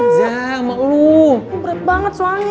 gue berat banget soalnya